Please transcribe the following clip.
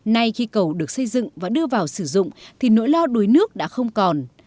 nay khi cầu được xây dựng và đưa vào sử dụng thì nỗi lo đuối nước đã không còn